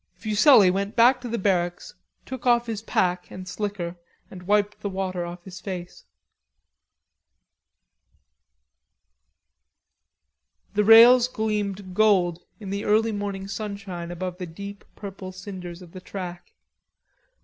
Fuselli went back to the barracks, took off his pack and slicker and wiped the water off his face. The rails gleamed gold in the early morning sunshine above the deep purple cinders of the track.